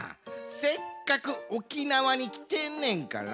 せっかく沖縄にきてんねんから。